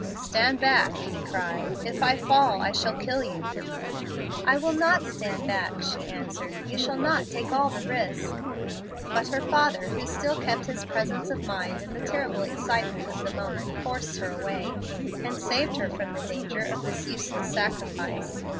"Stand back," he cried; "if I fall, I shall kill you." "I will not stand back," she answered. "You shall not take all the risk." But her father, who still kept his presence of mind in the terrible excitement of the moment, forced her away, and saved her from the danger of this useless sacrifice.